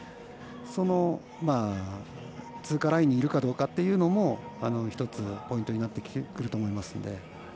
その通過ラインにいるかどうかというのも１つポイントになってくると思いますので。